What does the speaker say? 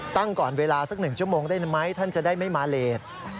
ก่อนเวลาสัก๑ชั่วโมงได้ไหมท่านจะได้ไม่มาเลส